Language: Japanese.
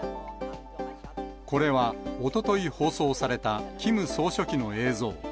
これはおととい放送されたキム総書記の映像。